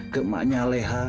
ke emaknya leha